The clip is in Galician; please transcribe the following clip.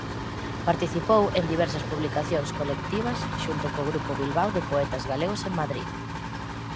Participou en diversas publicacións colectivas xunto co Grupo Bilbao de poetas galegos en Madrid.